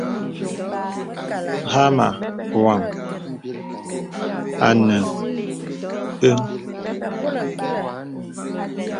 Hāmá wàm ànə bəŋ.